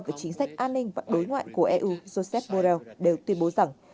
về chính sách an ninh và đối ngoại của eu joseph borrell đều tuyên bố rằng